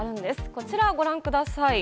こちらをご覧ください。